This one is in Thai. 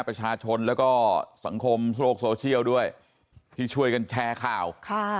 ประชาชนแล้วก็สังคมโลกโซเชียลด้วยที่ช่วยกันแชร์ข่าวค่ะ